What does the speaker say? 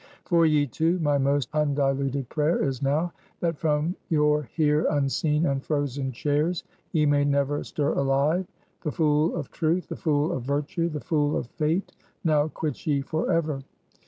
"For ye two, my most undiluted prayer is now, that from your here unseen and frozen chairs ye may never stir alive; the fool of Truth, the fool of Virtue, the fool of Fate, now quits ye forever!"